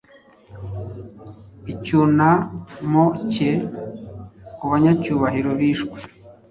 icyunamo cye kubanyacyubahiro bishwe